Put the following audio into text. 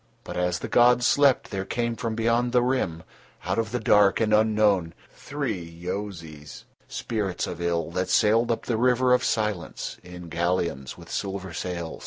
But as the gods slept, there came from beyond the Rim, out of the dark and unknown, three Yozis, spirits of ill, that sailed up the river of Silence in galleons with silver sails.